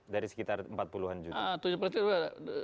tujuh empat dari sekitar empat puluh an juta